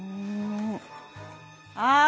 ああ！